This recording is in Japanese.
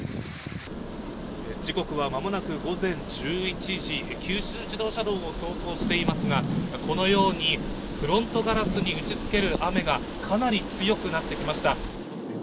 時刻はまもなく午前１１時、九州自動車道を走行していますが、このようにフロントガラスに打ちつける雨が、かなり強くなってきました。